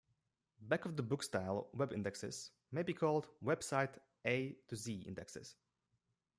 Back-of-the-book-style web indexes may be called "web site A-Z indexes".